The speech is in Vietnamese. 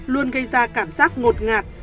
luôn gây ra cảm giác ngột ngạt